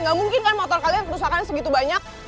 gak mungkin kan motor kalian kerusakan segitu banyak